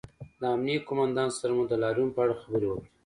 د امنیې قومندان سره مو د لاریون په اړه خبرې وکړې